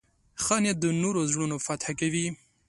ښه نیت د نورو زړونه فتح کوي.